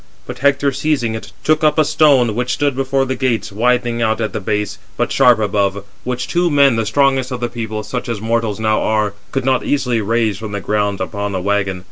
But Hector seizing it, took up a stone, which stood before the gates, widening out at the base, 409 but sharp above; which two men, the strongest of the people, such as mortals now are, could not easily raise from the ground upon a waggon.